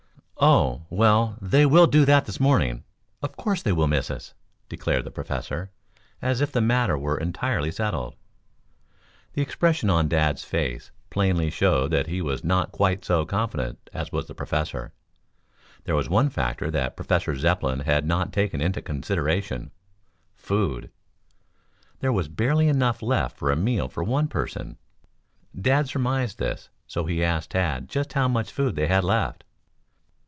"Oh, well, they will do that this morning. Of course they will miss us," declared the Professor, as if the matter were entirely settled. The expression on Dad's face plainly showed that he was not quite so confident as was the Professor. There was one factor that Professor Zepplin had not taken into consideration. Food! There was barely enough left for a meal for one person. Dad surmised this, so he asked Tad just how much food they had left.